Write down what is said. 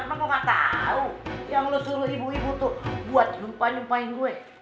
emang gue gak tau yang lo suruh ibu ibu tuh buat lupa nyumpahin gue